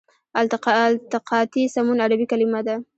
التقاطي سمون عربي کلمه ده.